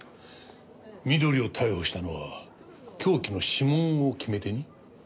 美登里を逮捕したのは凶器の指紋を決め手に？